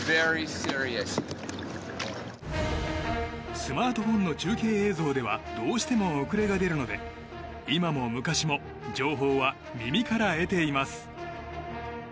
スマートフォンの中継映像ではどうしても遅れが出るので今も昔も情報は耳から得ています。